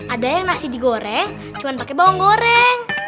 ada yang nasi digoreng cuma pakai bawang goreng